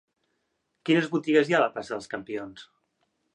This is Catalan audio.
Quines botigues hi ha a la plaça dels Campions?